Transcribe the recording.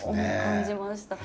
感じました。